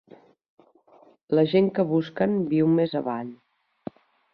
La gent que busquen viu més avall.